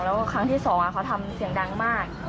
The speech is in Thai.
แล้วครั้งที่สองเขาทำเสียงดังมาก